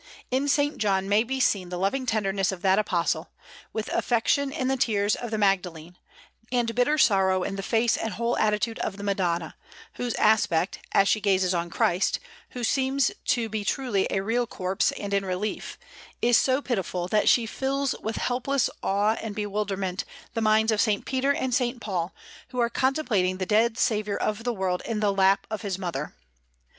In S. John may be seen the loving tenderness of that Apostle, with affection in the tears of the Magdalene, and bitter sorrow in the face and whole attitude of the Madonna, whose aspect, as she gazes on Christ, who seems to be truly a real corpse and in relief, is so pitiful, that she fills with helpless awe and bewilderment the minds of S. Peter and S. Paul, who are contemplating the Dead Saviour of the World in the lap of His mother.